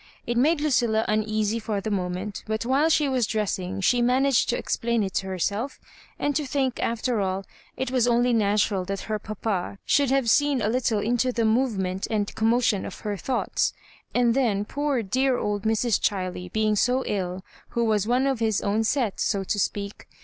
It made Lucilla uneasy for the moment, but while she was dressing she managed to explaui it to her self and to thmk, after all, it was only natural that her papa should have seen a little into the movement and commotion of her thoughts ; and then poor dear old Mrs. Chiley being so ill, who was one of his own set, so to speak.